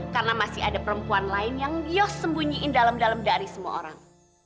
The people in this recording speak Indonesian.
karena masih ada perempuan lain yang yos sembunyiin dalam dalam dari semua orang